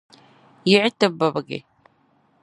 yiɣi ti bibigi.